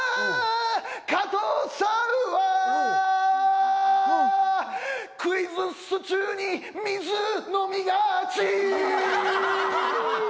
あ、加藤さんは！クイズッス中に水、飲みがち！